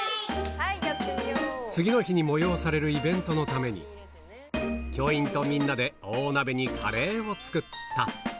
次の日に催されるイベントのために、教員とみんなで大鍋にカレーを作った。